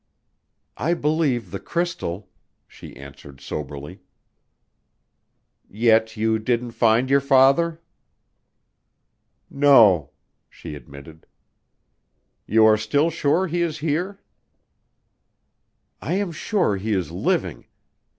"I believe the crystal," she answered soberly. "Yet you didn't find your father?" "No," she admitted. "You are still sure he is here?" "I am still sure he is living.